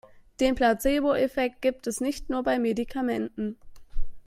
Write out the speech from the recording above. Den Placeboeffekt gibt es nicht nur bei Medikamenten.